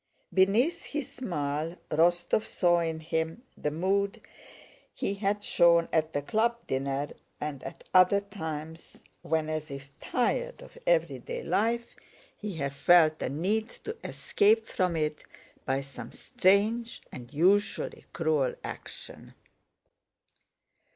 Beneath his smile Rostóv saw in him the mood he had shown at the club dinner and at other times, when as if tired of everyday life he had felt a need to escape from it by some strange, and usually cruel, action.